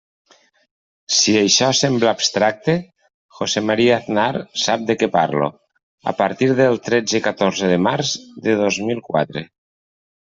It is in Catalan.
Si això sembla abstracte, José María Aznar sap de què parlo, a partir del tretze i catorze de març de dos mil quatre.